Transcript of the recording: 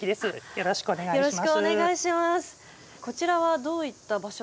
よろしくお願いします。